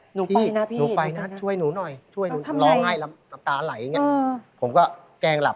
หนูพี่หนูไปนะช่วยหนูหน่อยช่วยหนูร้องไห้แล้วน้ำตาไหลอย่างนี้ผมก็แกล้งหลับ